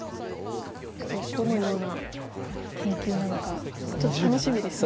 どのような研究なのかちょっと楽しみですね。